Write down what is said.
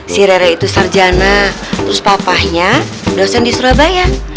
si rere itu sarjana terus papahnya dosen di surabaya